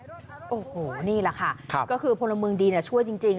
โอ้โหนี่แหละค่ะก็คือพลเมืองดีช่วยจริง